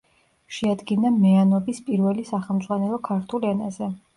შეადგინა მეანობის პირველი სახელმძღვანელო ქართულ ენაზე.